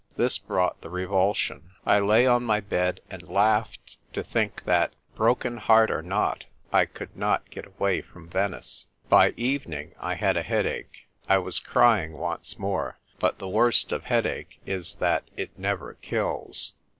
This brought the revulsion. I lay on my bed and laughed to think that, broken heart or not, I could not get away from Venice. By evening, I had a headache. I was cry ing once more. But the worst of headache is that it never kills.